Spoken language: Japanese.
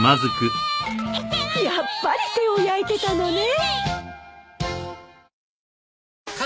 やっぱり手を焼いてたのね。